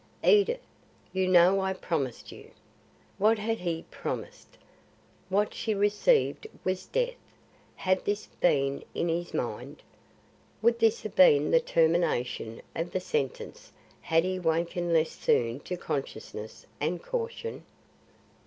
"Edith, you know I promised you " What had he promised? What she received was death! Had this been in his mind? Would this have been the termination of the sentence had he wakened less soon to consciousness and caution?